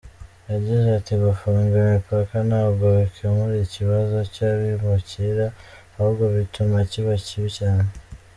Yagize ati “Gufunga imipaka ntabwo bikemura ikibazo cy’abimukira ahubwo bituma kiba kibi cyane.